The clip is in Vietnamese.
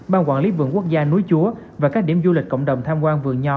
ban quản lý vườn quốc gia núi chúa và các điểm du lịch cộng đồng tham quan vườn nho